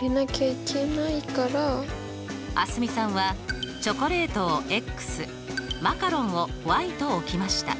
蒼澄さんはチョコレートをマカロンをと置きました。